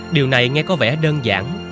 điều này nghe có vẻ đơn giản